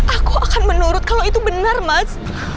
aku akan menurut kalau itu benar mas